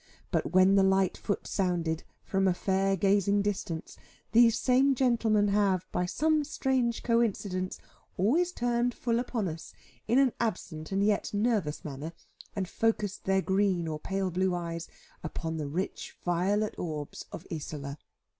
But when the light foot sounded, from a fair gazing distance, these same gentlemen have (by some strange coincidence) alway turned full upon us, in an absent and yet nervous manner, and focussed their green or pale blue eyes upon the rich violet orbs of Isola.